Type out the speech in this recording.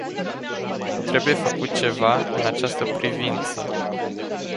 Trebuie făcut ceva în această privință.